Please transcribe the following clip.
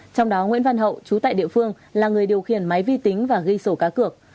trong đó nguyễn văn hậu chú tại địa phương là người điều khiển máy vi tính và ghi sổ cá cược